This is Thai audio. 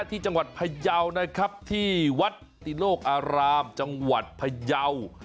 ที่จังหวัดพยาวนะครับที่วัดติโลกอารามจังหวัดพยาว